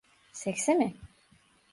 Seksi mi?